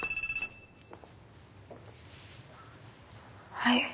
はい。